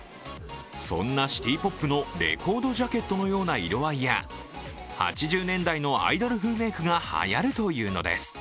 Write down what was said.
そんなシティポップのレコードジャケットのような色合いや８０年代のアイドル風メイクがはやるというのです。